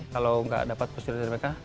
kalau nggak dapat fasilitas dari mereka